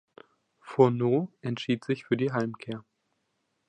Furneaux entschied sich für die Heimkehr.